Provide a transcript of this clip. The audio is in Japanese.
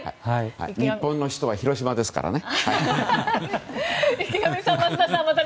日本の首都は広島ですからね。